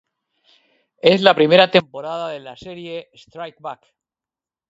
Es la primera temporada de la serie "Strike Back".